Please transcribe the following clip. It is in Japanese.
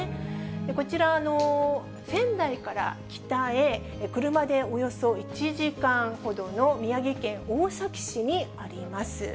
こちら、仙台から北へ車でおよそ１時間ほどの宮城県大崎市にあります。